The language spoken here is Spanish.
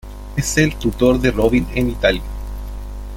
Es el tutor de Robin en Italia.